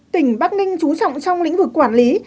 tỉnh bắc ninh trú trọng trong lĩnh vực quản lý